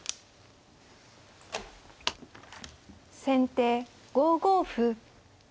先手５五歩。